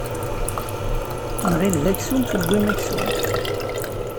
Nɣil d aksum tewwim aksum.